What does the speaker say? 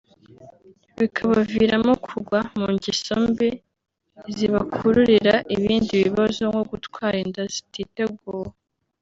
bikabaviramo kugwa mu ngeso mbi zibakururira ibindi bibazo nko gutwara inda zititeguwe